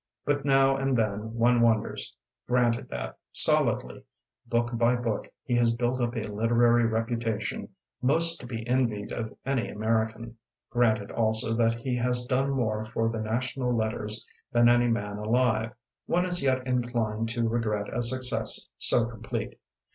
But now and then one wonders — granted that, solidly, book by book, he has built up a literary reputation most to be envied of any American, granted also that he has done more for the national letters than any man alive, one is yet inclined to regret a success so complete.